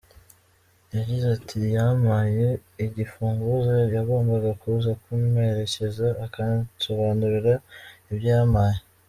Yagize ati “Yampaye igifunguzo yagombaga kuza kumperekeza akansobanurira ibyo yampaye”.